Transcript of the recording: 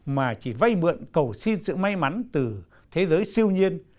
mà chỉ vay mượn cầu xin sự may mắn từ thế giới siêu nhiên